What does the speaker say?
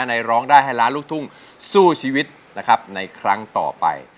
ร้องได้ให้ล้านลูกทุ่งสู้ชีวิตนะครับในครั้งต่อไป